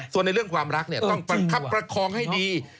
ส่วนในเรื่องความรักเนี่ยต้องประคับประคองให้ดี